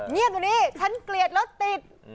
เงียบอยู่นี่ฉันเกลียดรถติด